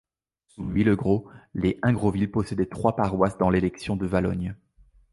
Sous Louis Le Gros, les Ingroville possédaient trois paroisses dans l’élection de Valognes.